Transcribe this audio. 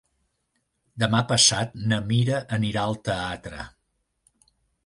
Demà passat na Mira anirà al teatre.